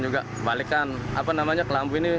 juga balikan apa namanya kelambu ini